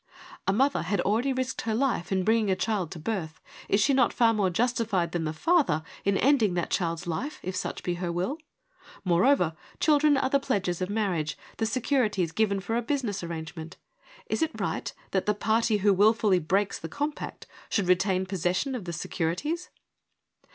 A mother had already risked her life in bringing a child to birth ; is she not far more justified than the father in ending that child's life, if such be her will ? Moreover, children are the pledges of marriage, the securities given for a business arrangement. Is it right that the party who wil fully breaks the compact should retain possession of the securities